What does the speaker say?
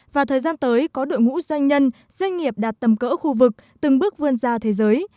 và thời gian tới có đội ngũ doanh nhân doanh nghiệp đạt tầm cỡ khu vực từng bước vươn ra thế giới